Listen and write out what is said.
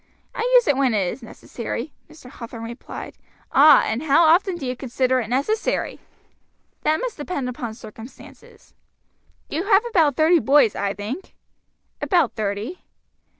"I use it when it is necessary," Mr. Hathorn replied. "Ah, and how often do you consider it necessary?" "That must depend upon circumstances." "You have about thirty boys, I think?" "About thirty."